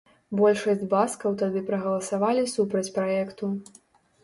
Большасць баскаў тады прагаласавалі супраць праекту.